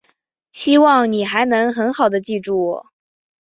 希望你还能很好地记住我。